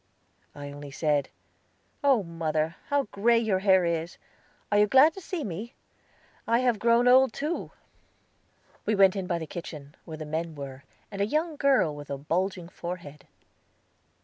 I only said, "Oh, mother, how gray your hair is! Are you glad to see me? I have grown old too!" We went in by the kitchen, where the men were, and a young girl with a bulging forehead.